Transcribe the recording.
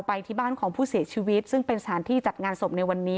ไปที่บ้านของผู้เสียชีวิตซึ่งเป็นสถานที่จัดงานศพในวันนี้